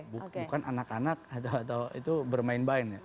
bukan anak anak atau itu bermain main